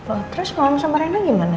oh terus malam sama rena gimana